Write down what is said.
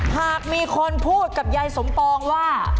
หากมีคนพูดกับยายสมปองว่า